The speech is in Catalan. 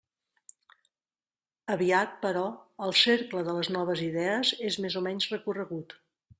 Aviat, però, el cercle de les noves idees és més o menys recorregut.